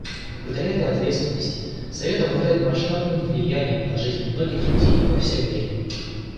Благодаря этой ответственности Совет обладает масштабным влиянием на жизнь многих людей во всем мире.